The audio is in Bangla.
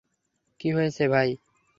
কী হয়েছে ভাই?